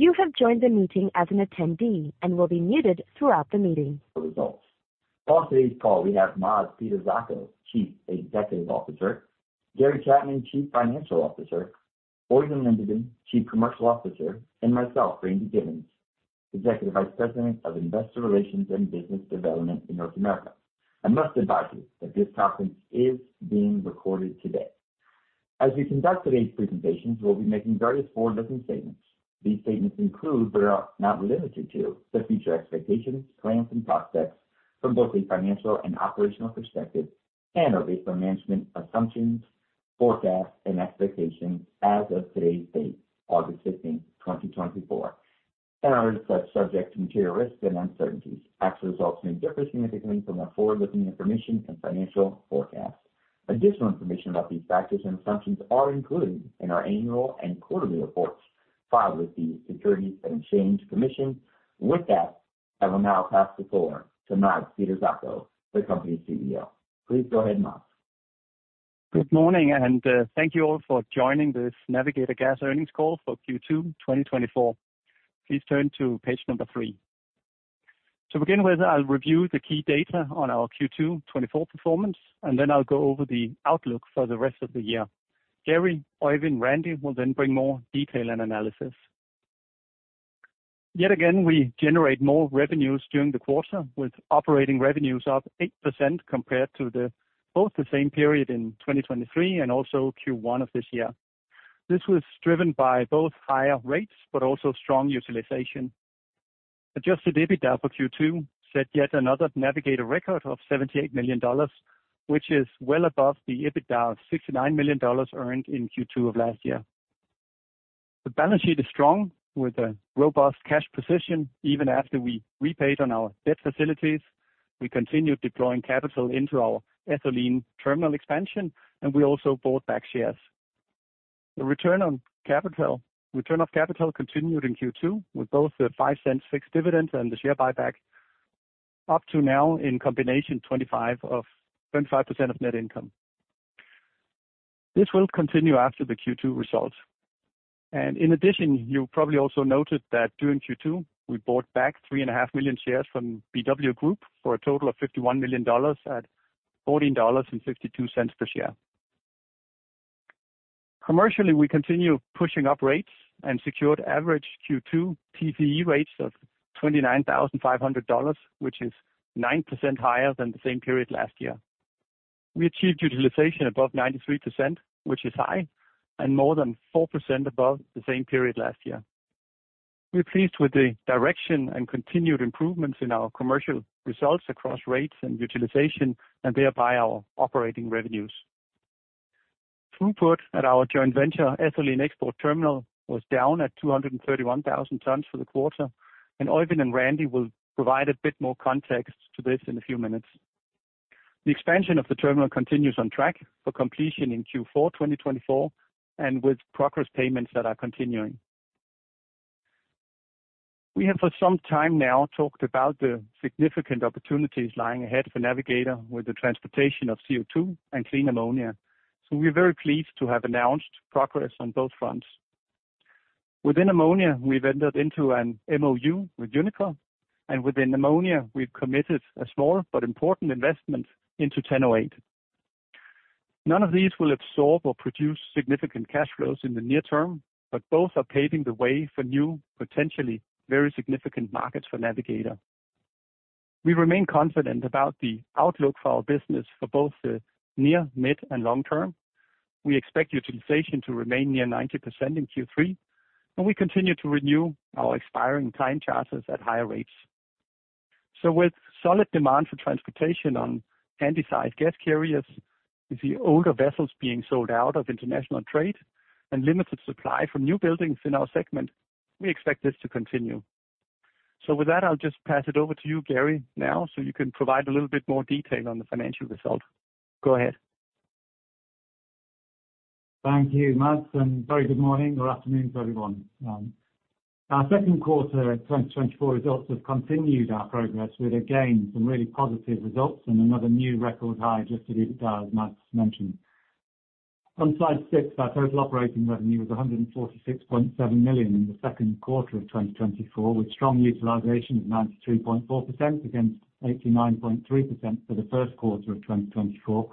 You have joined the meeting as an attendee and will be muted throughout the meeting.... Results. On today's call, we have Mads Peter Zacho, Chief Executive Officer, Gary Chapman, Chief Financial Officer, Øyvind Lindeman, Chief Commercial Officer, and myself, Randy Giveans, Executive Vice President of Investor Relations and Business Development in North America. I must advise you that this conference is being recorded today. As we conduct today's presentations, we'll be making various forward-looking statements. These statements include, but are not limited to, the future expectations, plans, and prospects from both a financial and operational perspective, and are based on management assumptions, forecasts, and expectations as of today's date, August 15, 2024, and are, of course, subject to material risks and uncertainties. Actual results may differ significantly from the forward-looking information and financial forecasts. Additional information about these factors and assumptions are included in our annual and quarterly reports filed with the Securities and Exchange Commission. With that, I will now pass the floor to Mads Peter Zacho, the company's CEO. Please go ahead, Mads. Good morning, and thank you all for joining this Navigator Gas earnings call for Q2 2024. Please turn to page 3. To begin with, I'll review the key data on our Q2 2024 performance, and then I'll go over the outlook for the rest of the year. Gary, Øyvind, Randy will then bring more detail and analysis. Yet again, we generate more revenues during the quarter, with operating revenues up 8% compared to the, both the same period in 2023 and also Q1 of this year. This was driven by both higher rates, but also strong utilization. Adjusted EBITDA for Q2 set yet another Navigator record of $78 million, which is well above the EBITDA of $69 million earned in Q2 of last year. The balance sheet is strong, with a robust cash position, even after we repaid on our debt facilities. We continued deploying capital into our ethylene terminal expansion, and we also bought back shares. The return of capital continued in Q2, with both the $0.05 fixed dividend and the share buyback, up to now in combination, 25% of net income. This will continue after the Q2 results, and in addition, you probably also noted that during Q2, we bought back 3.5 million shares from BW Group for a total of $51 million at $14.52 per share. Commercially, we continue pushing up rates and secured average Q2 TCE rates of $29,500, which is 9% higher than the same period last year. We achieved utilization above 93%, which is high, and more than 4% above the same period last year. We're pleased with the direction and continued improvements in our commercial results across rates and utilization, and thereby our operating revenues. Throughput at our joint venture, Ethylene Export Terminal, was down at 231,000 tons for the quarter, and Øyvind and Randy will provide a bit more context to this in a few minutes. The expansion of the terminal continues on track for completion in Q4 2024, and with progress payments that are continuing. We have, for some time now, talked about the significant opportunities lying ahead for Navigator with the transportation of CO2 and clean ammonia, so we are very pleased to have announced progress on both fronts. Within ammonia, we've entered into an MOU with Uniper, and within ammonia, we've committed a small but important investment into Ten08. None of these will absorb or produce significant cash flows in the near term, but both are paving the way for new, potentially very significant markets for Navigator. We remain confident about the outlook for our business for both the near, mid, and long term. We expect utilization to remain near 90% in Q3, and we continue to renew our expiring time charters at higher rates. So with solid demand for transportation on handysize gas carriers, with the older vessels being sold out of international trade and limited supply for new buildings in our segment, we expect this to continue. So with that, I'll just pass it over to you, Gary, now, so you can provide a little bit more detail on the financial results. Go ahead. Thank you, Mads, and very good morning or afternoon to everyone. Our second quarter 2024 results have continued our progress with, again, some really positive results and another new record high Adjusted EBITDA, as Mads mentioned. On slide 6, our total operating revenue was $146.7 million in the second quarter of 2024, with strong utilization of 92.4% against 89.3% for the first quarter of 2024.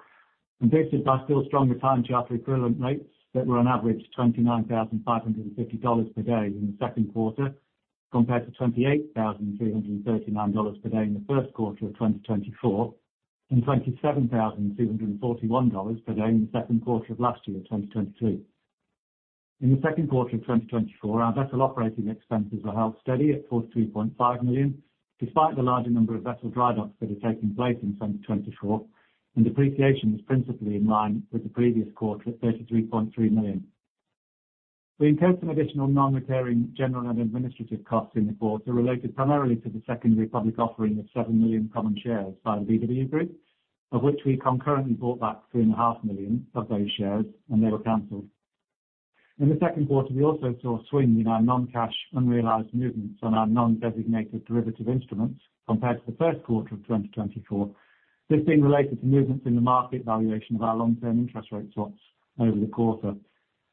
This is by still stronger time charter equivalent rates that were on average $29,550 per day in the second quarter, compared to $28,339 per day in the first quarter of 2024, and $27,241 per day in the second quarter of last year, 2022. In the second quarter of 2024, our vessel operating expenses were held steady at $42.5 million, despite the larger number of vessel dry docks that are taking place in 2024, and depreciation was principally in line with the previous quarter at $33.3 million. We incurred some additional non-recurring general and administrative costs in the quarter, related primarily to the secondary public offering of 7 million common shares by the BW Group, of which we concurrently bought back 3.5 million of those shares, and they were canceled. In the second quarter, we also saw a swing in our non-cash unrealized movements on our non-designated derivative instruments compared to the first quarter of 2024. This being related to movements in the market valuation of our long-term interest rate swaps over the quarter,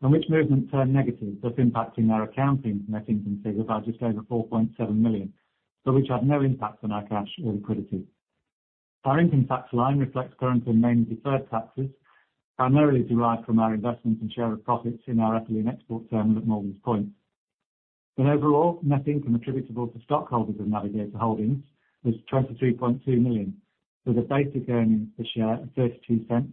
and which movement turned negative, thus impacting our accounting net income figure by just over $4.7 million, but which had no impact on our cash or liquidity. Our income tax line reflects current and mainly deferred taxes, primarily derived from our investment and share of profits in our ethylene export terminal at Morgan's Point. But overall, net income attributable to stockholders of Navigator Holdings was $23.2 million, with a basic earnings per share of $0.32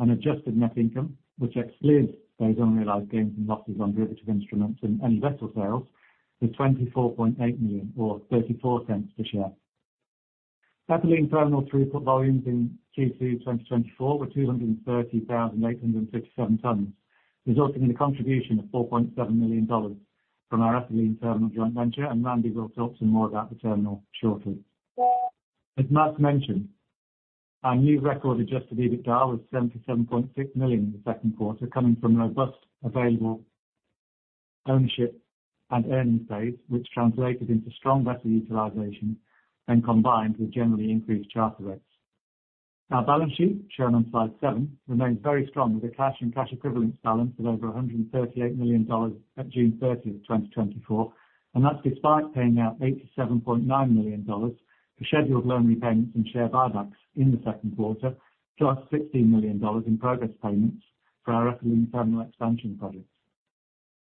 and adjusted net income, which excludes those unrealized gains and losses on derivative instruments and any vessel sales, was $24.8 million, or $0.34 per share. Ethylene terminal throughput volumes in Q2 2024 were 230,867 tons, resulting in a contribution of $4.7 million from our ethylene terminal joint venture, and Randy will talk some more about the terminal shortly. As Mads mentioned, our new record-adjusted EBITDA was $77.6 million in the second quarter, coming from robust available ownership and earnings base, which translated into strong vessel utilization and combined with generally increased charter rates. Our balance sheet, shown on slide 7, remains very strong, with a cash and cash equivalents balance of over $138 million at June 30th, 2024, and that's despite paying out $87.9 million for scheduled loan repayments and share buybacks in the second quarter, plus $16 million in progress payments for our ethylene terminal expansion projects.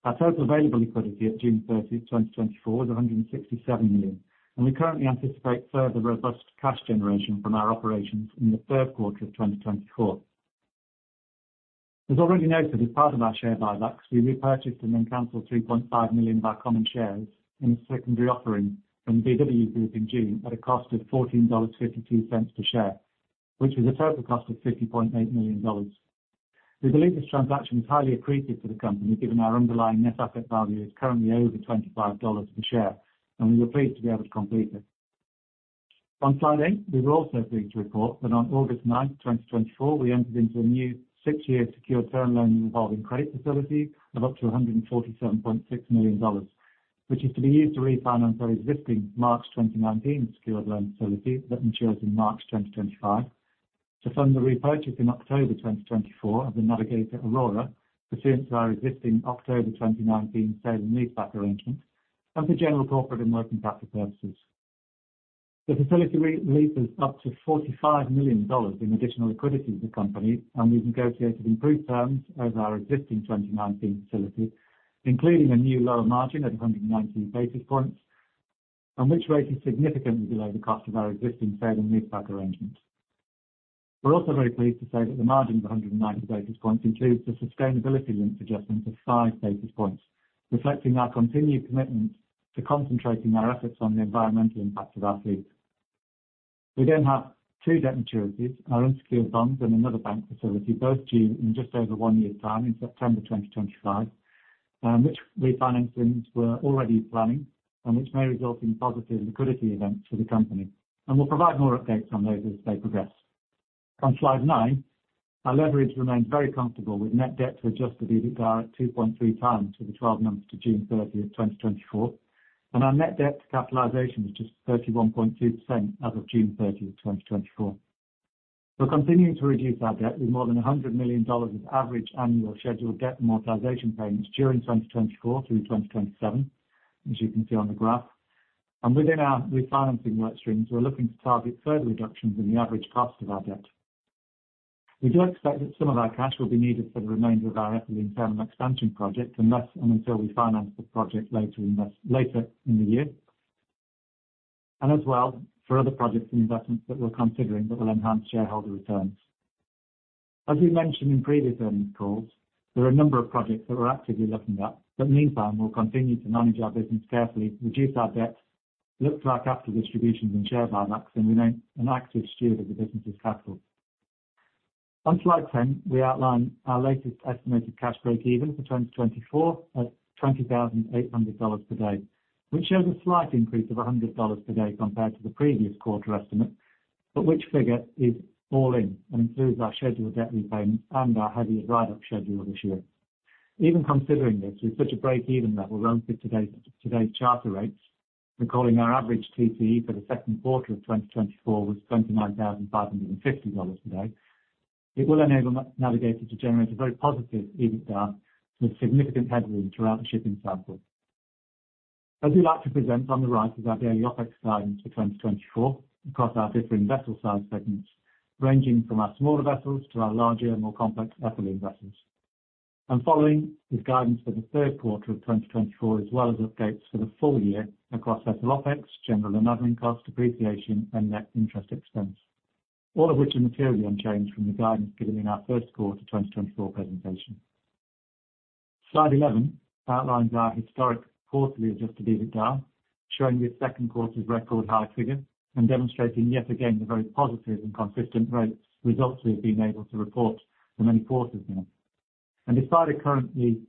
Our total available liquidity at June 30, 2024, is $167 million, and we currently anticipate further robust cash generation from our operations in the third quarter of 2024. As already noted, as part of our share buybacks, we repurchased and then canceled 3.5 million of our common shares in a secondary offering from the BW Group in June at a cost of $14.52 per share, which was a total cost of $50.8 million. We believe this transaction is highly accretive to the company, given our underlying net asset value is currently over $25 per share, and we were pleased to be able to complete it. On Friday, we were also pleased to report that on August 9, 2024, we entered into a new six-year secured term loan involving credit facility of up to $147.6 million, which is to be used to refinance our existing March 2019 secured loan facility that matures in March 2025, to fund the repurchase in October 2024 of the Navigator Aurora, pursuant to our existing October 2019 sale and lease back arrangement, and for general corporate and working capital purposes. The facility releases up to $45 million in additional liquidity to the company, and we've negotiated improved terms over our existing 2019 facility, including a new lower margin at 190 basis points, and which rate is significantly below the cost of our existing sale and lease back arrangement. We're also very pleased to say that the margin of 190 basis points includes a sustainability-linked adjustment of 5 basis points, reflecting our continued commitment to concentrating our efforts on the environmental impact of our fleet. We then have two debt maturities, our unsecured bonds and another bank facility, both due in just over one year's time, in September 2025, which refinancings we're already planning and which may result in positive liquidity events for the company, and we'll provide more updates on those as they progress. On slide nine, our leverage remains very comfortable, with net debt to adjusted EBITDA at 2.3 times for the 12 months to June 30, 2024, and our net debt to capitalization was just 31.2% as of June 30, 2024. We're continuing to reduce our debt with more than $100 million of average annual scheduled debt amortization payments during 2024 through 2027, as you can see on the graph. And within our refinancing work streams, we're looking to target further reductions in the average cost of our debt. We do expect that some of our cash will be needed for the remainder of our ethylene terminal expansion project, unless and until we finance the project later in the, later in the year, and as well for other projects and investments that we're considering that will enhance shareholder returns. As we mentioned in previous earnings calls, there are a number of projects that we're actively looking at, but meantime, we'll continue to manage our business carefully, reduce our debt, look to our capital distributions and share buybacks, and remain an active steward of the business's capital. On slide 10, we outline our latest estimated cash breakeven for 2024 at $20,800 per day, which shows a slight increase of $100 per day compared to the previous quarter estimate, but which figure is all in and includes our scheduled debt repayments and our heavier buyback schedule this year. Even considering this, with such a breakeven level relative to today's, today's charter rates, recalling our average TCE for the second quarter of 2024 was $29,550 per day, it will enable Navigator to generate a very positive EBITDA with significant headroom throughout the shipping cycle. I do like to present on the right is our daily OpEx guidance for 2024 across our different vessel size segments, ranging from our smaller vessels to our larger and more complex ethylene vessels. Following is guidance for the third quarter of 2024, as well as updates for the full year across vessel OpEx, general and admin costs, depreciation and net interest expense, all of which are materially unchanged from the guidance given in our first quarter 2024 presentation. Slide 11 outlines our historic quarterly adjusted EBITDA, showing the second quarter's record high figure and demonstrating yet again, the very positive and consistent results we've been able to report for many quarters now. And despite a currently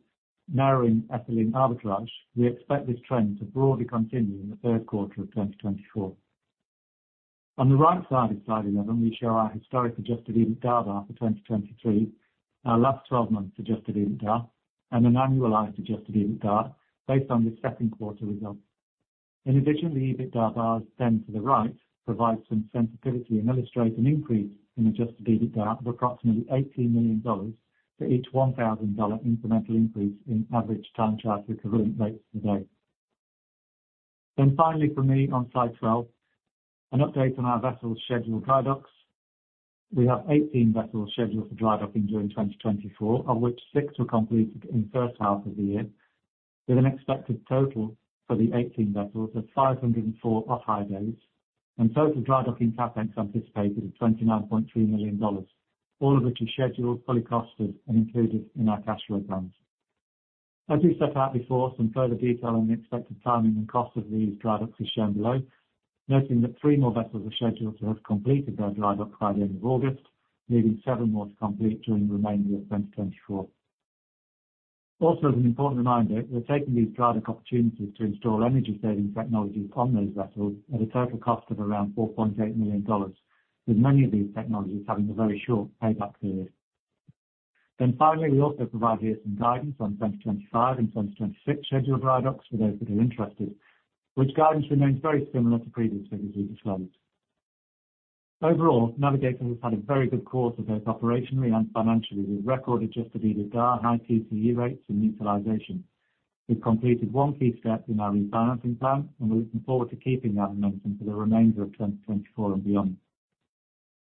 narrowing ethylene arbitrage, we expect this trend to broadly continue in the third quarter of 2024. On the right side of slide 11, we show our historic adjusted EBITDA for 2023, our last 12 months adjusted EBITDA, and an annualized adjusted EBITDA based on the second quarter results. In addition, the EBITDA bars then to the right provide some sensitivity and illustrate an increase in adjusted EBITDA of approximately $80 million for each $1,000 incremental increase in average time charter equivalent rates today. Then finally, for me, on slide 12, an update on our vessel scheduled dry docks. We have 18 vessels scheduled for dry docking during 2024, of which six were completed in first half of the year, with an expected total for the 18 vessels of 504 off-hire days, and total dry docking CapEx anticipated of $29.3 million, all of which is scheduled, fully costed, and included in our cash flow plans. As we set out before, some further detail on the expected timing and cost of these dry docks is shown below, noting that three more vessels are scheduled to have completed their dry dock by the end of August, leaving seven more to complete during the remainder of 2024. Also, as an important reminder, we're taking these dry dock opportunities to install energy-saving technologies on those vessels at a total cost of around $4.8 million, with many of these technologies having a very short payback period. Then finally, we also provide here some guidance on 2025 and 2026 scheduled dry docks for those that are interested, which guidance remains very similar to previous figures we displayed. Overall, Navigator has had a very good quarter, both operationally and financially. We've recorded Adjusted EBITDA, high TCE rates, and utilization. We've completed one key step in our refinancing plan, and we're looking forward to keeping that momentum for the remainder of 2024 and beyond.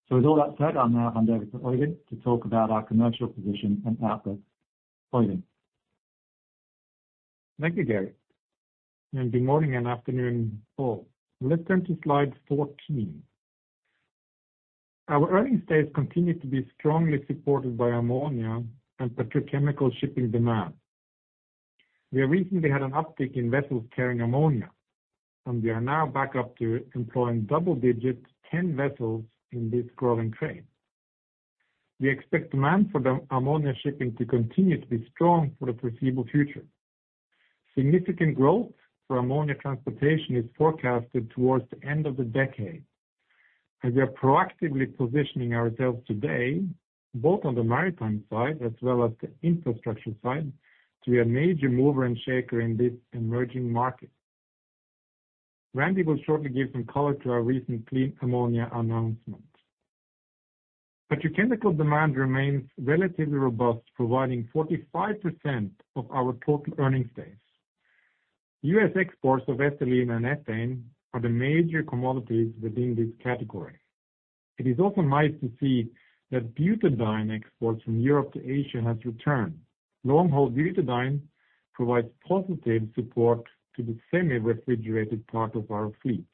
So with all that said, I'll now hand over to Øyvind to talk about our commercial position and outlook. Øyvind? Thank you, Gary, and good morning and afternoon, all. Let's turn to slide 14. Our earnings days continue to be strongly supported by ammonia and petrochemical shipping demand. We recently had an uptick in vessels carrying ammonia, and we are now back up to employing double digits, 10 vessels, in this growing trade. We expect demand for the ammonia shipping to continue to be strong for the foreseeable future. Significant growth for ammonia transportation is forecasted towards the end of the decade, and we are proactively positioning ourselves today, both on the maritime side as well as the infrastructure side, to be a major mover and shaker in this emerging market. Randy will shortly give some color to our recent clean ammonia announcement. Petrochemical demand remains relatively robust, providing 45% of our total earnings days. U.S. exports of ethylene and ethane are the major commodities within this category. It is also nice to see that butadiene exports from Europe to Asia has returned. Long-haul butadiene provides positive support to the semi-refrigerated part of our fleet.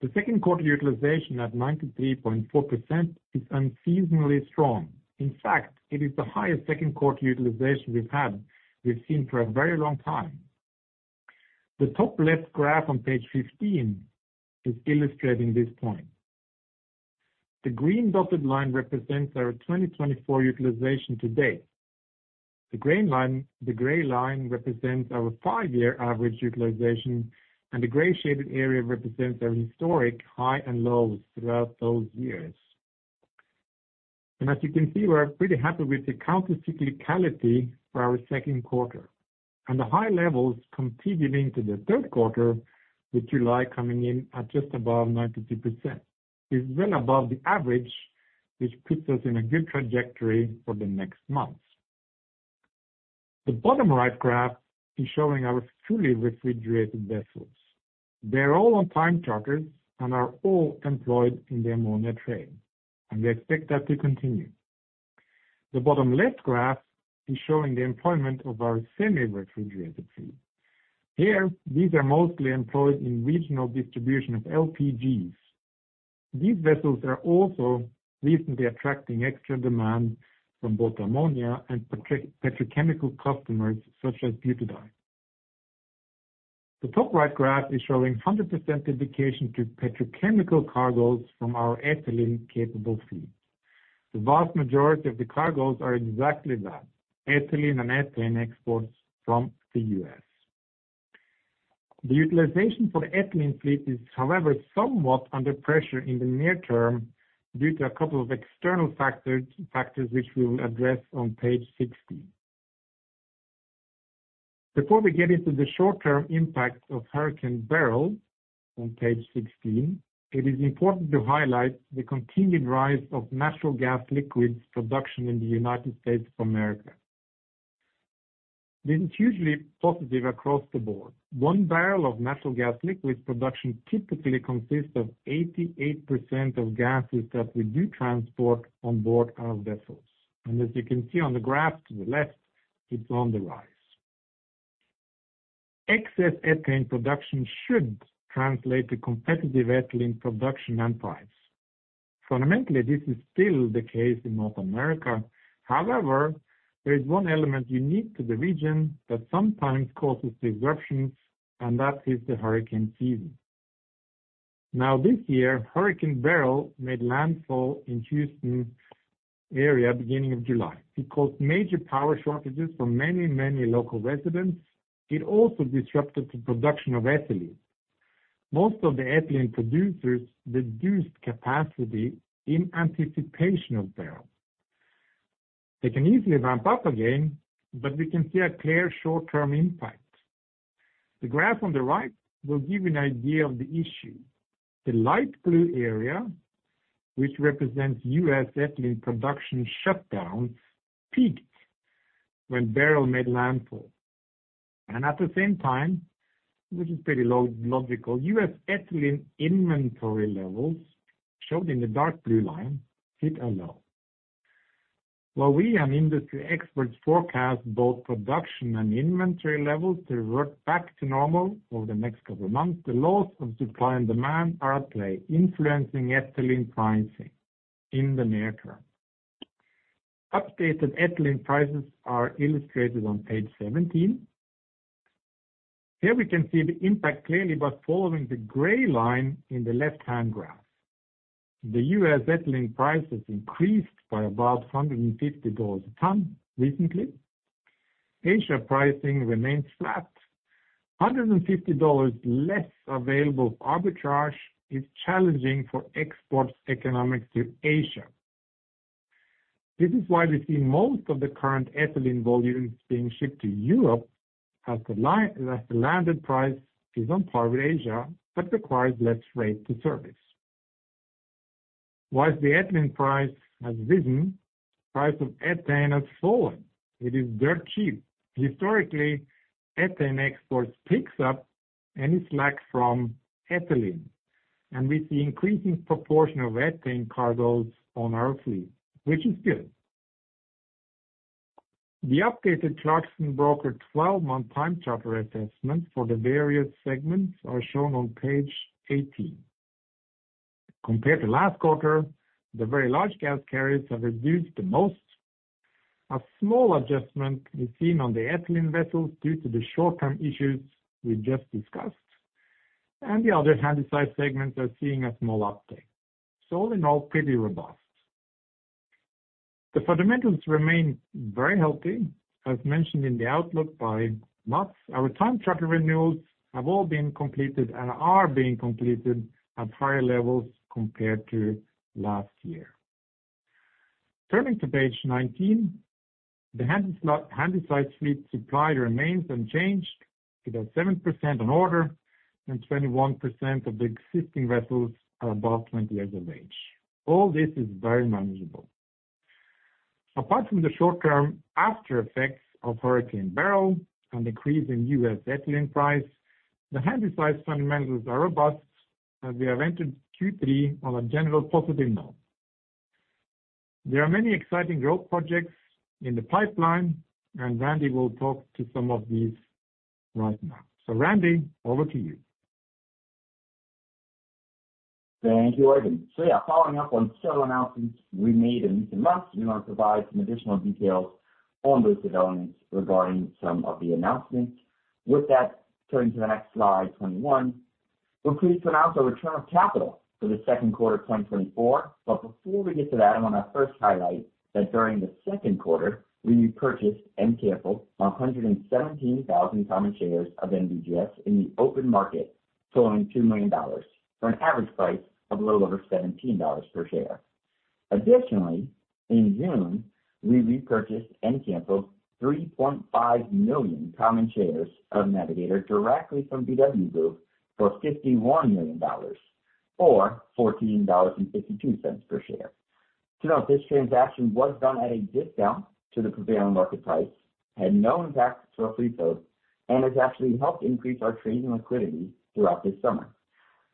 The second quarter utilization at 93.4% is unseasonably strong. In fact, it is the highest second quarter utilization we've had, we've seen for a very long time. The top left graph on page 15 is illustrating this point. The green dotted line represents our 2024 utilization to date. The gray line represents our 5-year average utilization, and the gray shaded area represents our historic high and lows throughout those years. As you can see, we're pretty happy with the counter cyclicality for our second quarter, and the high levels continued into the third quarter, with July coming in at just above 92%, is well above the average, which puts us in a good trajectory for the next months. The bottom right graph is showing our fully refrigerated vessels. They're all on time charters and are all employed in the ammonia trade, and we expect that to continue. The bottom left graph is showing the employment of our semi-refrigerated fleet. Here, these are mostly employed in regional distribution of LPGs. These vessels are also recently attracting extra demand from both ammonia and petrochemical customers, such as butadiene. The top right graph is showing 100% dedication to petrochemical cargoes from our ethylene-capable fleet. The vast majority of the cargoes are exactly that, ethylene and ethane exports from the U.S. The utilization for the ethylene fleet is, however, somewhat under pressure in the near term, due to a couple of external factors, factors which we will address on page 16. Before we get into the short-term impact of Hurricane Beryl on page 16, it is important to highlight the continued rise of natural gas liquids production in the United States of America. This is hugely positive across the board. One barrel of natural gas liquids production typically consists of 88% of gases that we do transport on board our vessels, and as you can see on the graph to the left, it's on the rise. Excess ethane production should translate to competitive ethylene production and price. Fundamentally, this is still the case in North America. However, there is one element unique to the region that sometimes causes disruptions, and that is the hurricane season. Now, this year, Hurricane Beryl made landfall in Houston area, beginning of July. It caused major power shortages for many, many local residents. It also disrupted the production of ethylene. Most of the ethylene producers reduced capacity in anticipation of Beryl.... They can easily ramp up again, but we can see a clear short-term impact. The graph on the right will give you an idea of the issue. The light blue area, which represents U.S. ethylene production shutdown, peaked when Beryl made landfall. And at the same time, which is pretty low, logical, U.S. ethylene inventory levels, shown in the dark blue line, hit a low. While we and industry experts forecast both production and inventory levels to revert back to normal over the next couple of months, the laws of supply and demand are at play, influencing ethylene pricing in the near term. Updated ethylene prices are illustrated on page 17. Here we can see the impact clearly by following the gray line in the left-hand graph. The U.S. ethylene prices increased by about $150 a ton recently. Asia pricing remains flat. $150 less available arbitrage is challenging for export economics to Asia. This is why we see most of the current ethylene volumes being shipped to Europe, as the landed price is on par with Asia, but requires less rate to service. Whilst the ethylene price has risen, price of ethane has fallen. It is dirt cheap. Historically, ethane exports picks up any slack from ethylene, and we see increasing proportion of ethane cargoes on our fleet, which is good. The updated Clarksons broker 12-month time charter assessment for the various segments are shown on page 18. Compared to last quarter, the very large gas carriers have reduced the most. A small adjustment is seen on the ethylene vessels due to the short-term issues we just discussed, and the other handysize segments are seeing a small uptick. So all in all, pretty robust. The fundamentals remain very healthy, as mentioned in the outlook by Mads. Our time charter renewals have all been completed and are being completed at higher levels compared to last year. Turning to page 19, the handysize, handysize fleet supply remains unchanged, with about 7% on order and 21% of the existing vessels are above 20 years of age. All this is very manageable. Apart from the short-term after effects of Hurricane Beryl and decrease in U.S. ethylene price, the Handysize fundamentals are robust, and we have entered Q3 on a general positive note. There are many exciting growth projects in the pipeline, and Randy will talk to some of these right now. So Randy, over to you. Thank you, Øyvind. So yeah, following up on several announcements we made in recent months, we want to provide some additional details on those developments regarding some of the announcements. With that, turning to the next slide, 21. We're pleased to announce our return of capital for the second quarter of 2024. But before we get to that, I want to first highlight that during the second quarter, we repurchased and canceled 117,000 common shares of NVGSin the open market for only $2 million, for an average price of a little over $17 per share. Additionally, in June, we repurchased and canceled 3.5 million common shares of Navigator directly from BW Group for $51 million, or $14.52 per share. To note, this transaction was done at a discount to the prevailing market price, had no impact to our fleet code, and has actually helped increase our trading liquidity throughout this summer.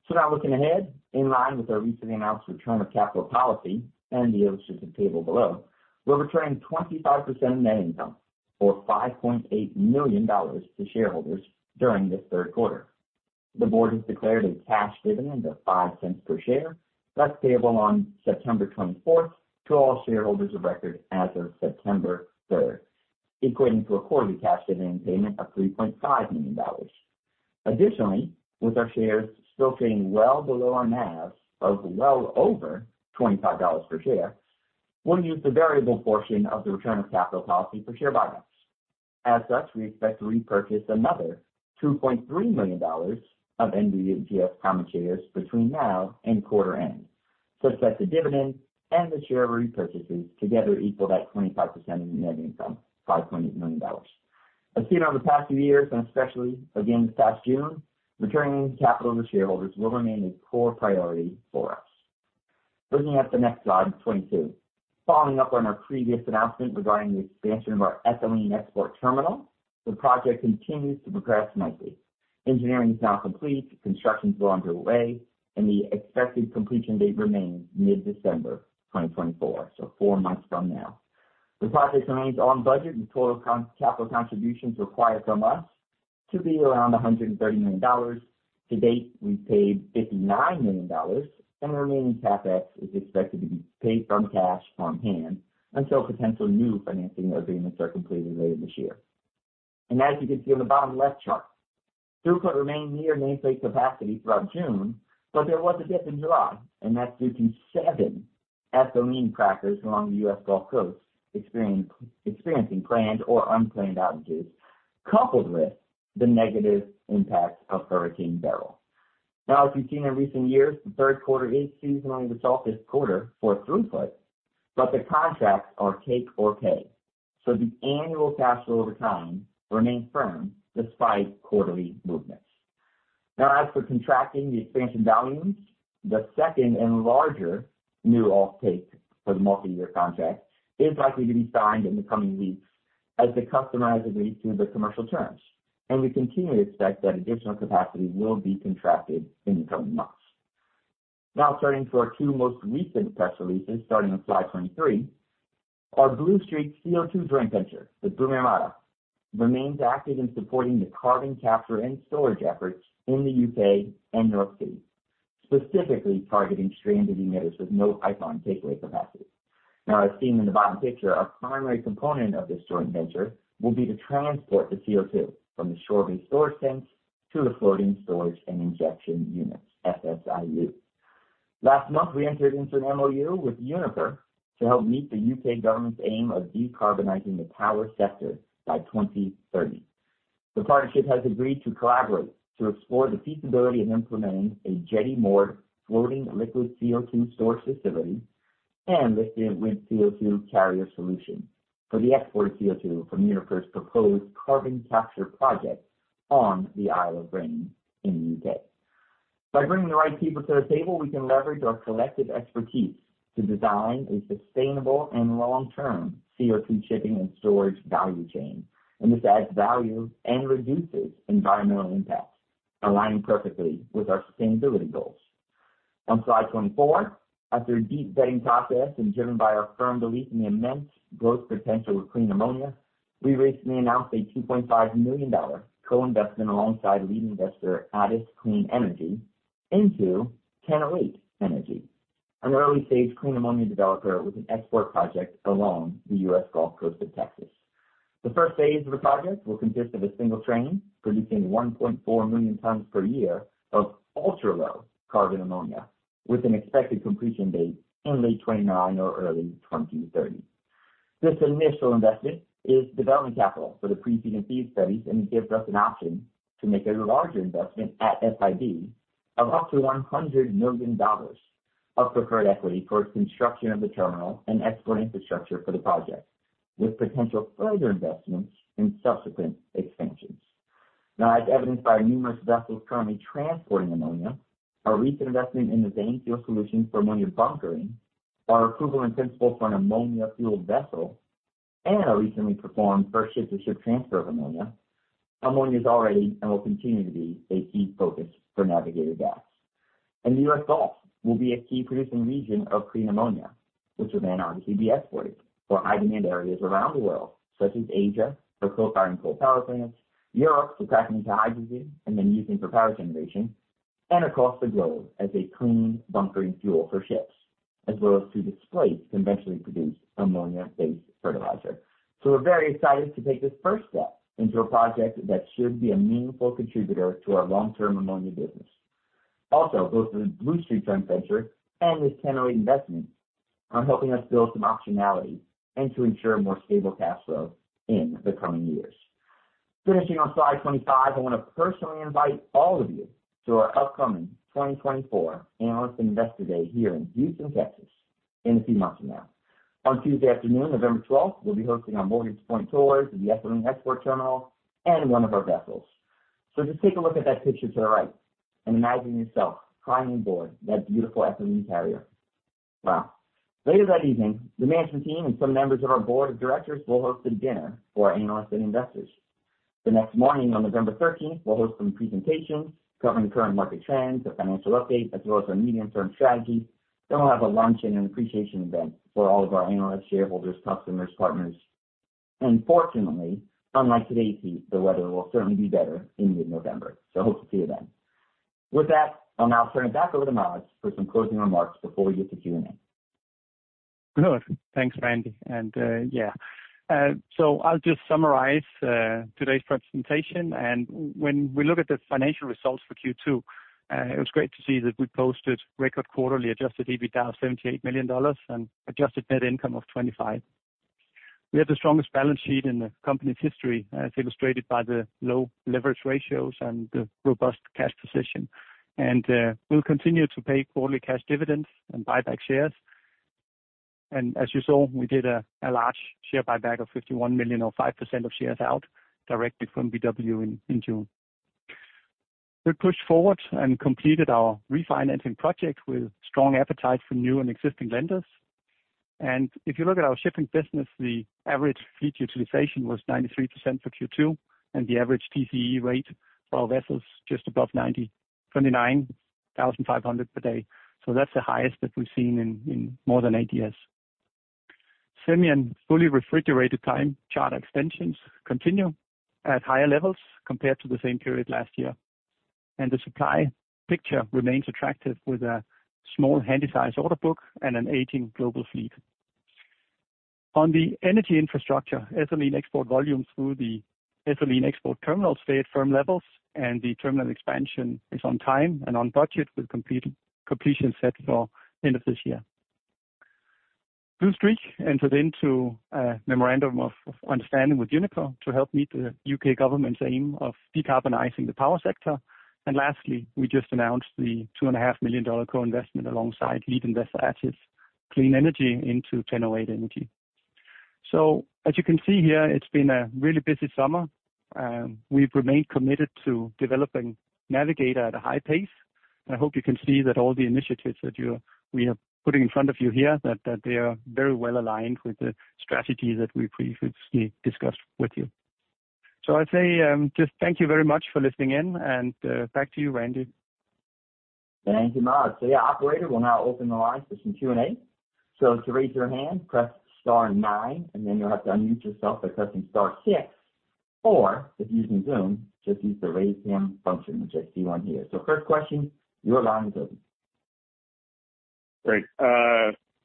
So now looking ahead, in line with our recently announced return of capital policy and the illustrative table below, we're returning 25% of net income, or $5.8 million to shareholders during this third quarter. The board has declared a cash dividend of $0.05 per share, that's payable on September 24th to all shareholders of record as of September 3rd, equating to a quarterly cash dividend payment of $3.5 million. Additionally, with our shares still trading well below our NAV of well over $25 per share, we'll use the variable portion of the return of capital policy for share buybacks. As such, we expect to repurchase another $2.3 million of NVGS common shares between now and quarter end, such that the dividend and the share repurchases together equal that 25% of net income, $5.8 million. As seen over the past few years, and especially again this past June, returning capital to shareholders will remain a core priority for us. Bringing up the next slide, 22. Following up on our previous announcement regarding the expansion of our ethylene export terminal, the project continues to progress nicely. Engineering is now complete, construction is well underway, and the expected completion date remains mid-December 2024, so four months from now. The project remains on budget and total capital contributions required from us to be around $130 million. To date, we've paid $59 million, and the remaining CapEx is expected to be paid from cash on hand until potential new financing agreements are completed later this year. As you can see on the bottom left chart, throughput remained near nameplate capacity throughout June, but there was a dip in July, and that's due to seven ethylene crackers along the U.S. Gulf Coast experiencing planned or unplanned outages, coupled with the negative impacts of Hurricane Beryl. Now, as we've seen in recent years, the third quarter is seasonally the softest quarter for throughput, but the contracts are take-or-pay, so the annual cash flow over time remains firm despite quarterly movements. Now, as for contracting the expansion volumes, the second and larger new offtake for the multi-year contract is likely to be signed in the coming weeks as the customer agrees to the commercial terms, and we continue to expect that additional capacity will be contracted in the coming months. Now turning to our two most recent press releases, starting on slide 23. Our Bluestreak CO2 joint venture with Blue Armada remains active in supporting the carbon capture and storage efforts in the UK and New York City, specifically targeting stranded emitters with no pipeline takeaway capacity. Now, as seen in the bottom picture, our primary component of this joint venture will be to transport the CO2 from the shore-based storage tanks to the floating storage and injection units, FSIU. Last month, we entered into an MOU with Uniper to help meet the U.K. government's aim of decarbonizing the power sector by 2030. The partnership has agreed to collaborate to explore the feasibility of implementing a jetty-moored floating liquid CO2 storage facility and assist with CO2 carrier solution for the export of CO2 from Uniper's proposed carbon capture project on the Isle of Grain in the U.K. By bringing the right people to the table, we can leverage our collective expertise to design a sustainable and long-term CO2 shipping and storage value chain. And this adds value and reduces environmental impacts, aligning perfectly with our sustainability goals. On slide 24, after a deep vetting process and driven by our firm belief in the immense growth potential of clean ammonia, we recently announced a $2.5 million co-investment alongside lead investor Attis Clean Energy into Ten08 Energy, an early-stage clean ammonia developer with an export project along the US Gulf Coast of Texas. The first phase of the project will consist of a single train, producing 1.4 million tons per year of ultra-low carbon ammonia, with an expected completion date in late 2029 or early 2030. This initial investment is development capital for the pre-FEED and FEED studies, and it gives us an option to make a larger investment at FID of up to $100 million of preferred equity for construction of the terminal and export infrastructure for the project, with potential further investments in subsequent expansions. Now, as evidenced by numerous vessels currently transporting ammonia, our recent investment in the Azane Fuel Solutions for ammonia bunkering, our approval in principle for an ammonia-fueled vessel, and our recently performed first ship-to-ship transfer of ammonia, ammonia is already and will continue to be a key focus for Navigator Gas. The U.S. Gulf will be a key producing region of clean ammonia, which will then obviously be exported for high-demand areas around the world, such as Asia, for co-firing coal power plants, Europe, to crack into hydrogen and then using for power generation, and across the globe as a clean bunkering fuel for ships, as well as to the place to eventually produce ammonia-based fertilizer. So we're very excited to take this first step into a project that should be a meaningful contributor to our long-term ammonia business. Also, both the Bluestreak CO2 joint venture and this Ten08 investment are helping us build some optionality and to ensure more stable cash flow in the coming years. Finishing on slide 25, I want to personally invite all of you to our upcoming 2024 Analyst and Investor Day here in Houston, Texas, in a few months from now. On Tuesday afternoon, November 12th, we'll be hosting our Morgan's Point tours of the ethylene export terminal and one of our vessels. So just take a look at that picture to the right and imagine yourself climbing aboard that beautiful ethylene carrier. Wow! Later that evening, the management team and some members of our board of directors will host a dinner for our analysts and investors. The next morning, on November 13th, we'll host some presentations covering the current market trends, the financial update, as well as our medium-term strategy. Then we'll have a lunch and an appreciation event for all of our analysts, shareholders, customers, partners. And fortunately, unlike today's heat, the weather will certainly be better in mid-November, so hope to see you then. With that, I'll now turn it back over to Mads for some closing remarks before we get to Q&A. Good. Thanks, Randy. And, yeah, so I'll just summarize today's presentation. And when we look at the financial results for Q2, it was great to see that we posted record quarterly Adjusted EBITDA of $78 million and adjusted net income of $25 million. We have the strongest balance sheet in the company's history, as illustrated by the low leverage ratios and the robust cash position. And, we'll continue to pay quarterly cash dividends and buy back shares. And as you saw, we did a large share buyback of $51 million or 5% of shares out directly from BW in June. We pushed forward and completed our refinancing project with strong appetite from new and existing lenders. If you look at our shipping business, the average fleet utilization was 93% for Q2, and the average TCE rate for our vessels just above $29,500 per day. So that's the highest that we've seen in more than 8 years. Semi and fully refrigerated time charter extensions continue at higher levels compared to the same period last year, and the supply picture remains attractive, with a small handysize order book and an aging global fleet. On the energy infrastructure, ethylene export volumes through the ethylene export terminal stayed firm levels, and the terminal expansion is on time and on budget, with completion set for end of this year. Bluestreak entered into a memorandum of understanding with Uniper to help meet the U.K. government's aim of decarbonizing the power sector. Lastly, we just announced the $2.5 million co-investment alongside lead investor, Attis Clean Energy, into Ten08 Energy. So as you can see here, it's been a really busy summer. We've remained committed to developing Navigator at a high pace. I hope you can see that all the initiatives we are putting in front of you here, that they are very well aligned with the strategy that we previously discussed with you. So I'd say, just thank you very much for listening in, and back to you, Randy. Thank you, Mads. So, yeah, operator will now open the line for some Q&A. So to raise your hand, press star nine, and then you'll have to unmute yourself by pressing star six. Or if you're using Zoom, just use the raise hand function, which I see on here. So first question, your line is open. Great.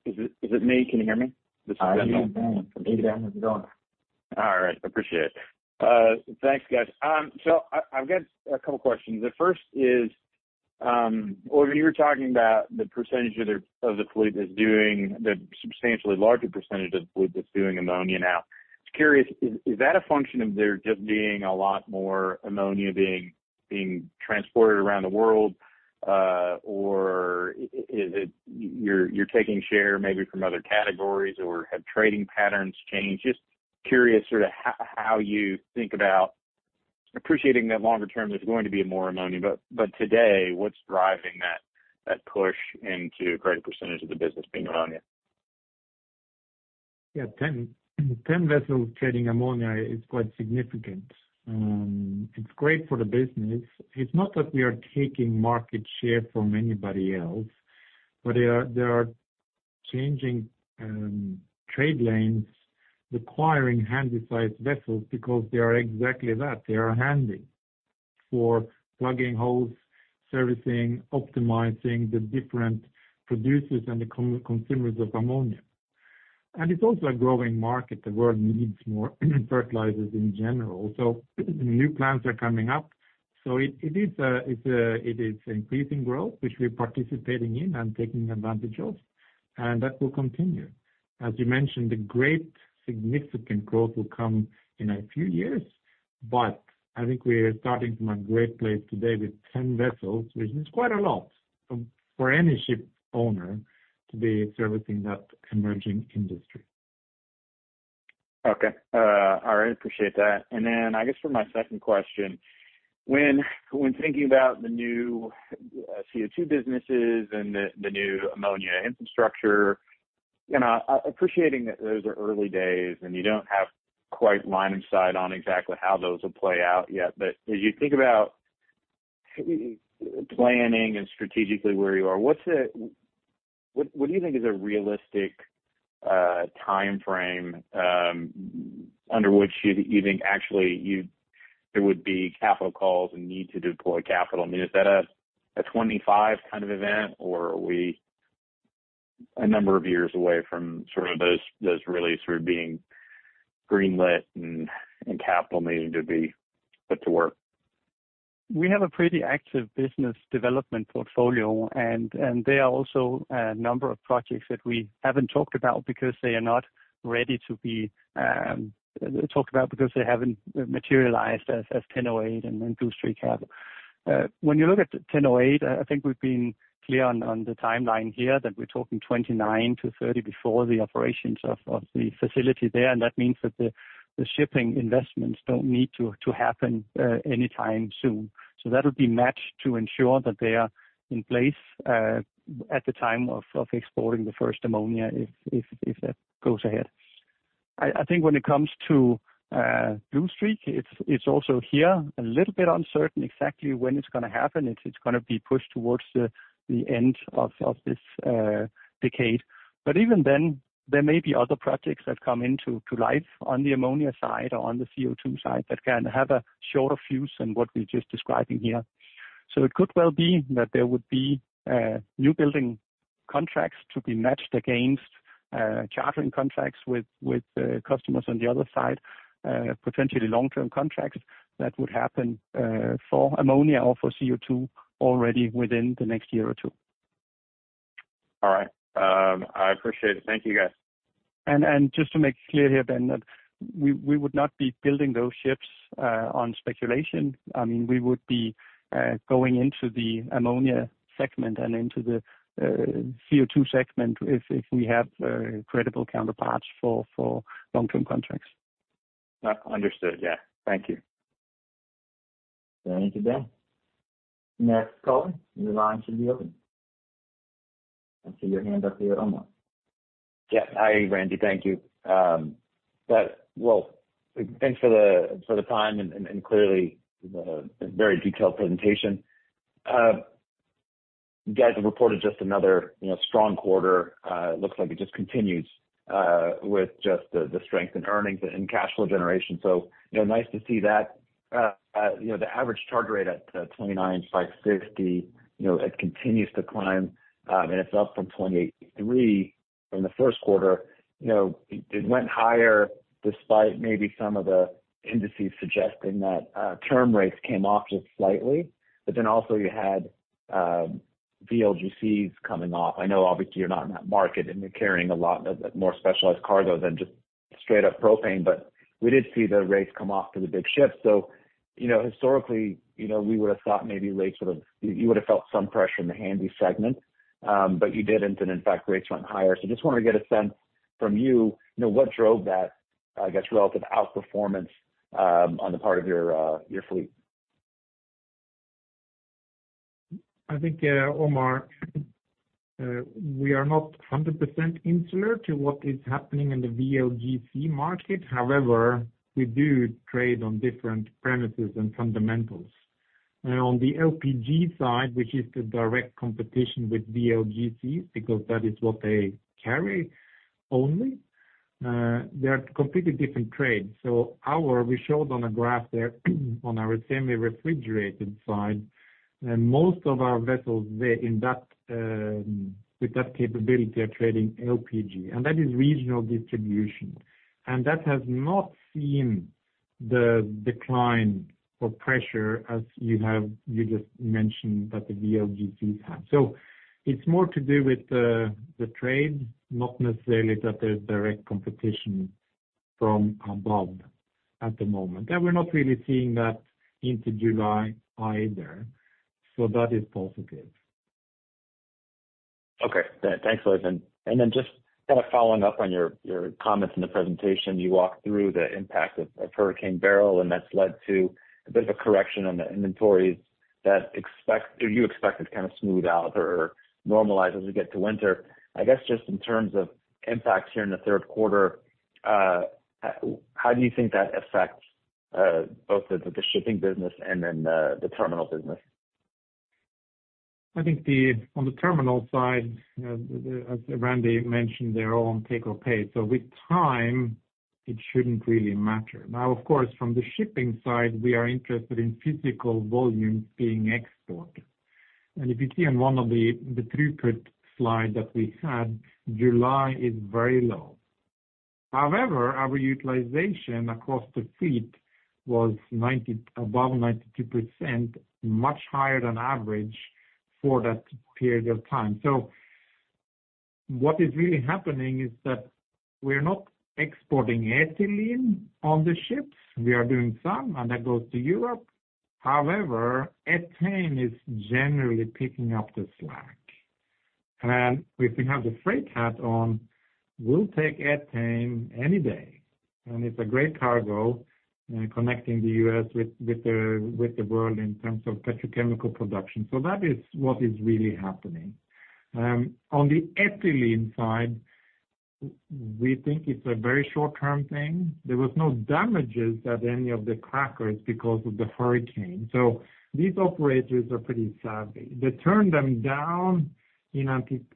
Is it, is it me? Can you hear me? This is Ben. I hear you, Ben. Hey, Ben, how's it going? All right, appreciate it. Thanks, guys. So I, I've got a couple questions. The first is, well, when you were talking about the percentage of the fleet that's doing the substantially larger percentage of fleet that's doing ammonia now. Just curious, is that a function of there just being a lot more ammonia being transported around the world? Or is it you're taking share maybe from other categories, or have trading patterns changed? Just curious sort of how you think about appreciating that longer term, there's going to be more ammonia. But today, what's driving that push into a greater percentage of the business being ammonia? Yeah, 10, 10 vessels carrying ammonia is quite significant. It's great for the business. It's not that we are taking market share from anybody else, but there are changing trade lanes requiring Handysize vessels because they are exactly that. They are handy for plugging holes, servicing, optimizing the different producers and the consumers of ammonia. And it's also a growing market. The world needs more fertilizers in general, so new plants are coming up. So it is increasing growth, which we're participating in and taking advantage of, and that will continue. As you mentioned, the great significant growth will come in a few years, but I think we are starting from a great place today with 10 vessels, which is quite a lot for any ship owner to be servicing that emerging industry. Okay. All right, appreciate that. And then I guess for my second question, when thinking about the new CO2 businesses and the new ammonia infrastructure, you know, appreciating that those are early days, and you don't have quite line of sight on exactly how those will play out yet. But as you think about planning and strategically where you are, what's the - what do you think is a realistic timeframe under which you think actually there would be capital calls and need to deploy capital? I mean, is that a 25 kind of event, or are we a number of years away from sort of those really sort of being greenlit and capital needing to be put to work? We have a pretty active business development portfolio, and there are also a number of projects that we haven't talked about because they are not ready to be talked about because they haven't materialized as Ten08 and Bluestreak have. When you look at Ten08, I think we've been clear on the timeline here, that we're talking 2029-2030 before the operations of the facility there. And that means that the shipping investments don't need to happen anytime soon. So that'll be matched to ensure that they are in place at the time of exporting the first ammonia, if that goes ahead. I think when it comes to Bluestreak, it's also here a little bit uncertain exactly when it's gonna happen. It's gonna be pushed towards the end of this decade. But even then, there may be other projects that come into life on the ammonia side or on the CO2 side that can have a shorter fuse than what we're just describing here. So it could well be that there would be new building contracts to be matched against chartering contracts with customers on the other side, potentially long-term contracts that would happen for ammonia or for CO2 already within the next year or two. All right. I appreciate it. Thank you, guys. And just to make it clear here, Ben, that we would not be building those ships on speculation. I mean, we would be going into the ammonia segment and into the CO2 segment if we have credible counterparts for long-term contracts. Understood. Yeah. Thank you. Thank you, Ben. Next caller, your line should be open. I see your hand up here, Omar. Yeah. Hi, Randy. Thank you. Well, thanks for the time and clearly the very detailed presentation. You guys have reported just another, you know, strong quarter. It looks like it just continues with just the strength in earnings and cash flow generation. So, you know, nice to see that. You know, the average charter rate at $29,600, you know, it continues to climb, and it's up from $28,300 in the first quarter. You know, it went higher despite maybe some of the indices suggesting that term rates came off just slightly. But then also you had VLGCs coming off. I know obviously you're not in that market, and you're carrying a lot of more specialized cargo than just straight-up propane, but we did see the rates come off to the big ships. So, you know, historically, you know, we would have thought maybe you would have felt some pressure in the handy segment, but you didn't, and in fact, rates went higher. So just want to get a sense from you, you know, what drove that, I guess, relative outperformance on the part of your fleet? I think, Omar, we are not 100% insular to what is happening in the VLGC market. However, we do trade on different premises and fundamentals. On the LPG side, which is the direct competition with VLGC, because that is what they carry only, they're completely different trades. So, we showed on a graph there on our semi-refrigerated side, and most of our vessels, they're in that, with that capability of trading LPG, and that is regional distribution. And that has not seen the decline or pressure as you have you just mentioned that the VLGC had. So it's more to do with the trade, not necessarily that there's direct competition from above at the moment. And we're not really seeing that into July either, so that is positive. Okay. Thanks, Øyvind. Then just kind of following up on your comments in the presentation, you walked through the impact of Hurricane Beryl, and that's led to a bit of a correction on the inventories that you expect to kind of smooth out or normalize as we get to winter. I guess, just in terms of impacts here in the third quarter, how do you think that affects both the shipping business and then the terminal business? I think the, on the terminal side, you know, the, as Randy mentioned, they're all take-or-pay. So with time, it shouldn't really matter. Now, of course, from the shipping side, we are interested in physical volumes being exported. And if you see on one of the, the throughput slide that we had, July is very low. However, our utilization across the fleet was 90- above 92%, much higher than average for that period of time. So what is really happening is that we're not exporting ethylene on the ships. We are doing some, and that goes to Europe. However, ethane is generally picking up the slack. And if we have the freight hat on, we'll take ethane any day, and it's a great cargo, connecting the U.S. with, with the, with the world in terms of petrochemical production. So that is what is really happening. On the ethylene side, we think it's a very short-term thing. There was no damages at any of the crackers because of the hurricane, so these operators are pretty savvy. They turned them down in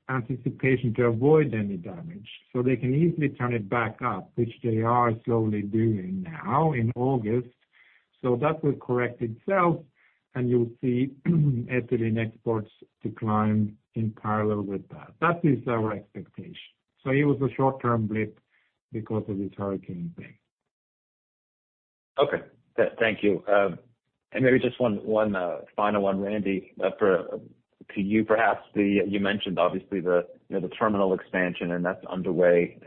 anticipation to avoid any damage, so they can easily turn it back up, which they are slowly doing now in August. So that will correct itself, and you'll see ethylene exports decline in parallel with that. That is our expectation. So it was a short-term blip because of this hurricane thing. Okay. Thank you. And maybe just one final one, Randy, for you perhaps. You mentioned obviously, you know, the terminal expansion, and that's underway.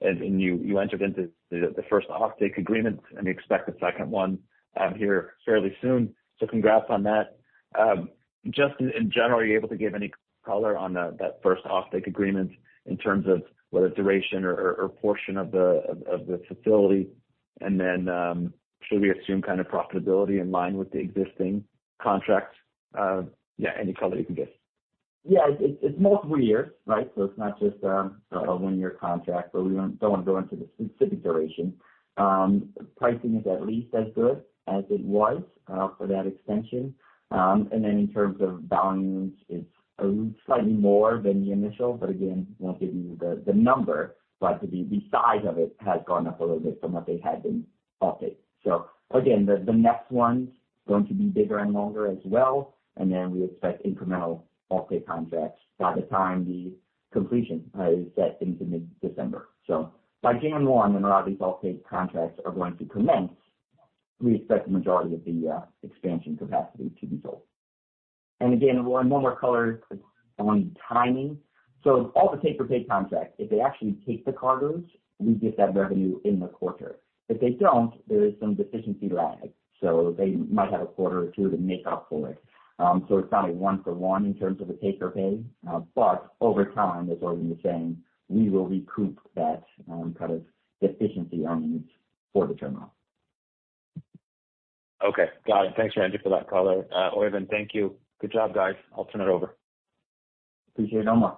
And you entered into the first offtake agreement, and you expect a second one here fairly soon. So congrats on that. Just in general, are you able to give any color on that first offtake agreement in terms of whether duration or portion of the facility? And then, should we assume kind of profitability in line with the existing contracts? Yeah, any color you can give. Yeah, it's multiple years, right? So it's not just a one-year contract, but we don't want to go into the specific duration. Pricing is at least as good as it was for that extension. And then in terms of volumes, it's slightly more than the initial, but again, won't give you the number. But the size of it has gone up a little bit from what they had been off-take. So again, the next one's going to be bigger and longer as well, and then we expect incremental off-take contracts by the time the completion is set into mid-December. So by January one, the majority of these off-take contracts are going to commence. We expect the majority of the expansion capacity to be sold. And again, one more color on timing. So all the take-or-pay contracts, if they actually take the cargoes, we get that revenue in the quarter. If they don't, there is some deficiency lag, so they might have a quarter or two to make up for it. So it's not a one for one in terms of a take-or-pay, but over time, as Øyvind was saying, we will recoup that, kind of deficiency on these for the terminal. Okay. Got it. Thanks, Randy, for that color. Øyvind, thank you. Good job, guys. I'll turn it over. Appreciate it, Omar.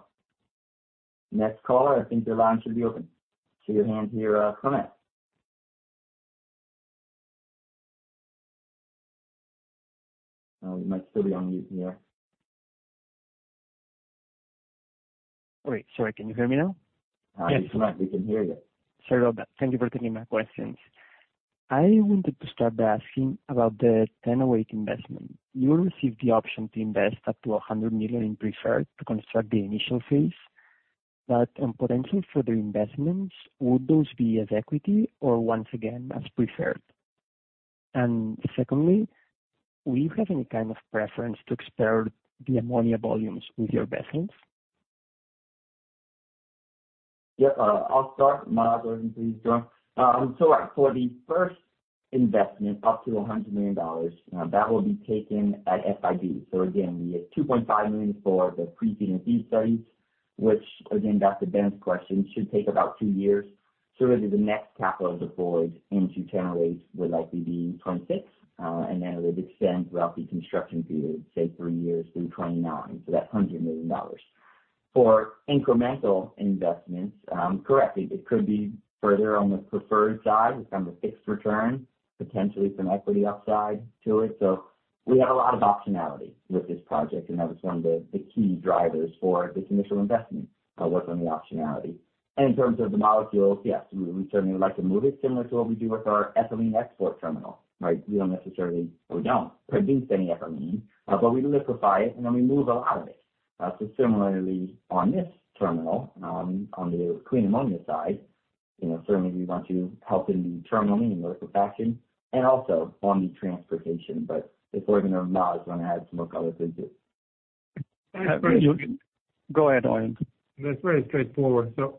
Next caller, I think your line should be open. See your hand here, we might still be on mute here. Great. Sorry, can you hear me now? Hi, we can hear you. Sorry about that. Thank you for taking my questions. I wanted to start by asking about the Ten08 investment. You received the option to invest up to $100 million in preferred to construct the initial phase, but on potential further investments, would those be as equity or once again, as preferred? And secondly, will you have any kind of preference to expand the ammonia volumes with your vessels? Yeah, I'll start, Øyvind, please join. So for the first investment, up to $100 million, that will be taken at FID. So again, we have $2.5 million for the pre-FEED studies, which again, back to Ben's question, should take about two years. So really the next capital deployed into Ten08 would likely be 2026, and then it would extend throughout the construction period, say three years through 2029. So that's $100 million. For incremental investments, correctly, it could be further on the preferred side, from the fixed return, potentially some equity upside to it. So we have a lot of optionality with this project, and that was one of the, the key drivers for this initial investment, was on the optionality. In terms of the molecules, yes, we certainly would like to move it similar to what we do with our ethylene export terminal, right? We don't necessarily, we don't produce any ethylene, but we liquefy it and then we move a lot of it. So similarly, on this terminal, on the clean ammonia side, you know, certainly we want to help in the terminal and liquefaction, and also on the transportation. But before going to Mads, I was gonna add some more color into it. Go ahead, Øyvind. That's very straightforward. So,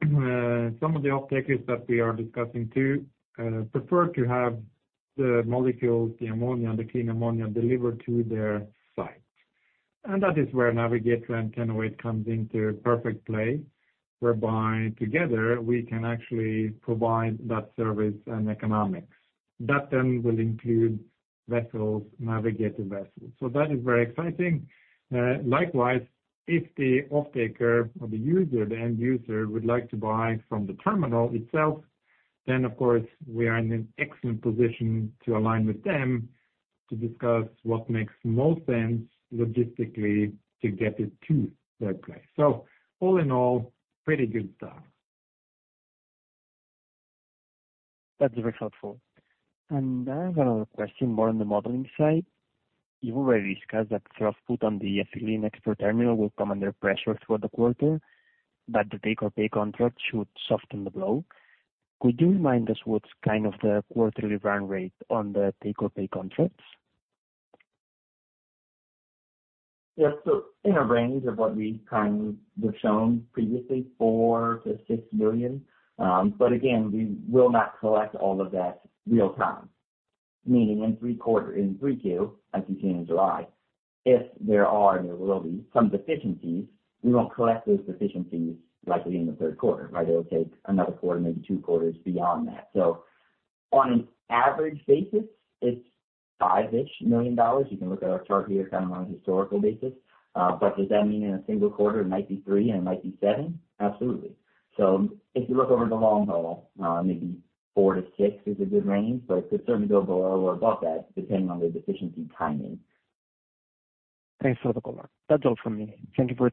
some of the off-takers that we are discussing too prefer to have the molecules, the ammonia, the clean ammonia delivered to their site. That is where Navigator and Ten08 comes into perfect play, whereby together, we can actually provide that service and economics. That then will include vessels, Navigator vessels. That is very exciting. Likewise, if the offtaker or the user, the end user, would like to buy from the terminal itself, then of course, we are in an excellent position to align with them to discuss what makes most sense logistically to get it to their place. All in all, pretty good stuff. That's very helpful. I have another question, more on the modeling side. You've already discussed that throughput on the ethylene export terminal will come under pressure throughout the quarter, but the take or pay contract should soften the blow. Could you remind us what's kind of the quarterly run rate on the take or pay contracts? Yes. So in a range of what we kind of have shown previously, $4 million-$6 million. But again, we will not collect all of that real time. Meaning in third quarter, in 3Q, as you seen in July, if there are, and there will be some deficiencies, we won't collect those deficiencies likely in the third quarter, right? It'll take another quarter, maybe two quarters beyond that. So on an average basis, it's $5-ish million. You can look at our chart here, kind of on a historical basis. But does that mean in a single quarter, it might be 3 and it might be 7? Absolutely. So if you look over the long haul, maybe 4-6 is a good range, but it could certainly go below or above that, depending on the deficiency timing. Thanks for the color. That's all from me. Thank you for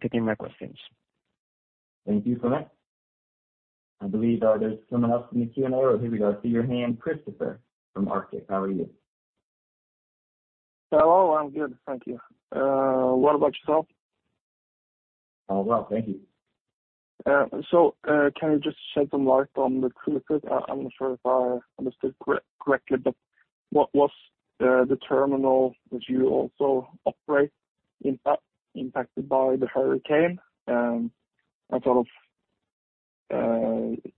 taking my questions. Thank you for that. I believe, there's someone else in the Q&A, or here we go. I see your hand, Christopher from Arctic. How are you? Hello, I'm good, thank you. What about yourself? I'm well, thank you. So, can you just shed some light on the critical? I'm not sure if I understood correctly, but what was the terminal that you also operate, impacted by the hurricane? And sort of,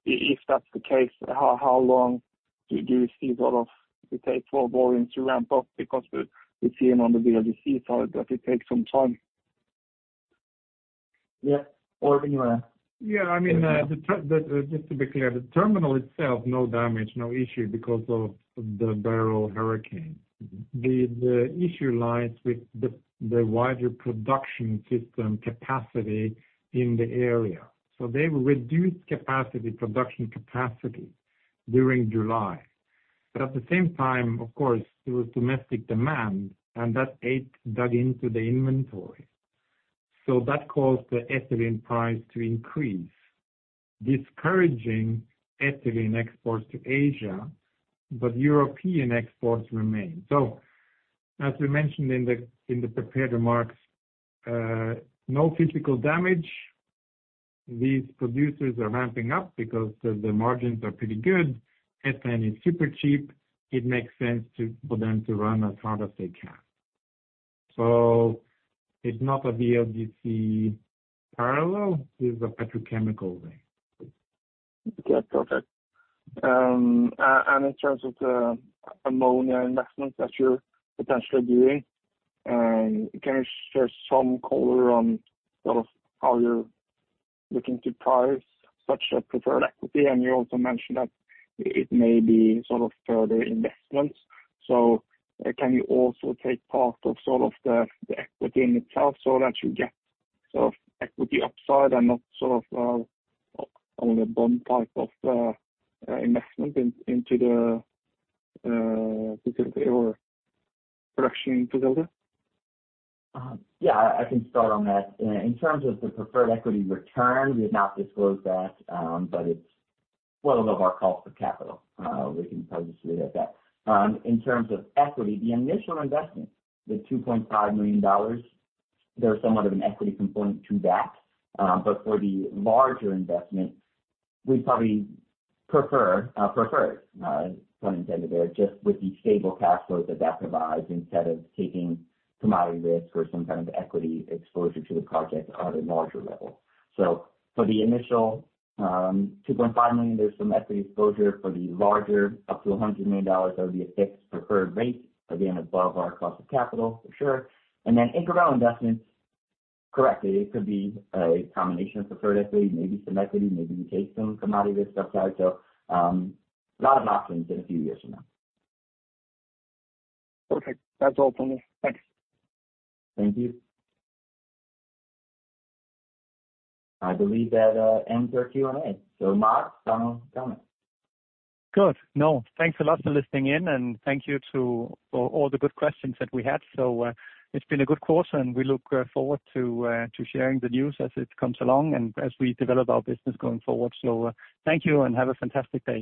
if that's the case, how long do you see it takes for olefins to ramp up? Because we've seen on the VLGC side that it takes some time. Yeah. Øyvind, you want to- Yeah, I mean, the, just to be clear, the terminal itself, no damage, no issue because of the Hurricane Beryl. The issue lies with the wider production system capacity in the area. So they've reduced capacity, production capacity during July. But at the same time, of course, there was domestic demand, and that ate, dug into the inventory. So that caused the ethylene price to increase, discouraging ethylene exports to Asia, but European exports remain. So as we mentioned in the prepared remarks, no physical damage. These producers are ramping up because the margins are pretty good. Ethane is super cheap. It makes sense to, for them to run as hard as they can. So it's not a VLGC parallel, it's a petrochemical play. Yeah, perfect. And in terms of the ammonia investments that you're potentially doing, can you share some color on sort of how you're looking to price such a preferred equity? And you also mentioned that it may be sort of further investments. So can you also take part of sort of the, the equity in itself, so that you get sort of equity upside and not sort of on the bond type of investment into the physical or production facility? Yeah, I can start on that. In terms of the preferred equity return, we have not disclosed that, but it's well above our cost of capital. We can probably just leave it at that. In terms of equity, the initial investment, the $2.5 million, there's somewhat of an equity component to that. But for the larger investment, we'd probably prefer preferred, pun intended there, just with the stable cash flow that provides, instead of taking commodity risk or some kind of equity exposure to the project at a larger level. So for the initial, $2.5 million, there's some equity exposure for the larger, up to $100 million, that would be a fixed preferred rate, again, above our cost of capital, for sure. Then incremental investments, correctly, it could be a combination of preferred equity, maybe some equity, maybe we take some commodity risk upside. So, a lot of options in a few years from now. Okay. That's all from me. Thanks. Thank you. I believe that ends our Q&A. So Mads, Øyvind, coming. Good. No, thanks a lot for listening in, and thank you to all the good questions that we had. So, it's been a good quarter, and we look forward to sharing the news as it comes along and as we develop our business going forward. So, thank you and have a fantastic day.